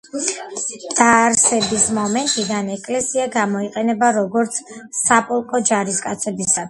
დაარსების მომენტიდან ეკლესია გამოიყენება, როგორც საპოლკო, ჯარისკაცებისათვის.